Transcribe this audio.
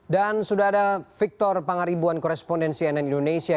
dan sudah ada victor pangaribuan korespondensi nn indonesia